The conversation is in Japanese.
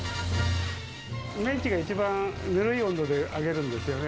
メンチが一番ぬるい温度で揚げるんですよね。